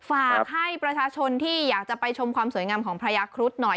ฝากให้ประชาชนที่อยากจะไปชมความสวยงามของพระยาครุฑหน่อย